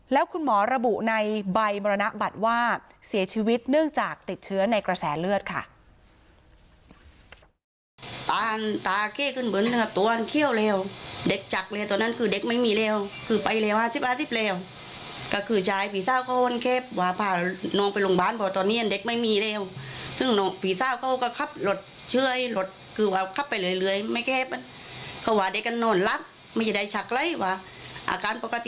แล้วคุณหมอระบุในใบบรรณบัตรว่าเสียชีวิตเนื่องจากติดเชื้อในกระแสเลือดค่ะ